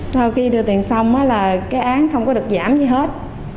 sau khi đưa tiền xong là cái án không có được giảm gì hết